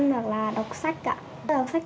hoặc là đọc sách ạ đọc sách